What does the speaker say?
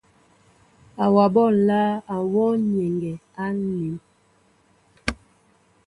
Awaɓó nláá a wɔ nyɛŋgɛ á nlém.